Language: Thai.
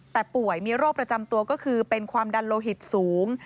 แต่ป่วยมีโรคประจำตัวก็คือเป็นความดันโลหิตสูง